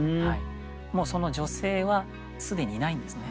もうその女性は既にいないんですね。